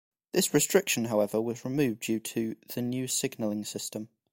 This restriction however, was removed due to the new signalling system.